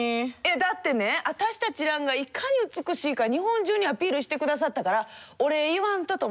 だってね私たちランがいかに美しいか日本中にアピールしてくださったからお礼言わんとと思って。